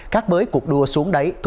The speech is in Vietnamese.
các bới cuộc đua xuống đấy